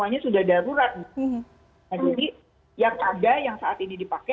yang saat ini dipakai